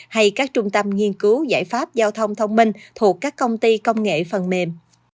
hay các trung tâm nghiên cứu giải pháp giao thông thông minh thuộc các công ty công nghệ phần mềm